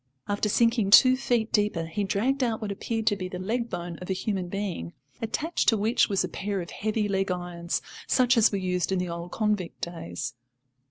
After sinking two feet deeper he dragged out what appeared to be the leg bone of a human being, attached to which was a pair of heavy leg irons, such as were used in the old convict days.